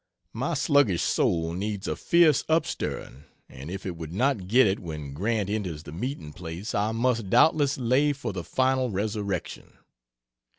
My sluggish soul needs a fierce upstirring, and if it would not get it when Grant enters the meeting place I must doubtless "lay" for the final resurrection.